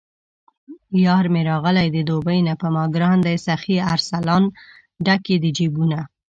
یارمې راغلی د دوبۍ نه په ماګران دی سخي ارسلان، ډک یې د جېبونه